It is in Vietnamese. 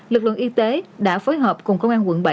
lực lượng y tế đã phối hợp cùng công an quận bảy